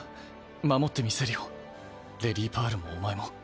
守ってみせるよレディパールもお前も。